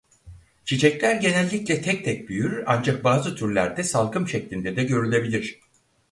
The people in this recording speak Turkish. Çiçekler genellikle tek tek büyür ancak bazı türlerde salkım şeklinde de görülebilir.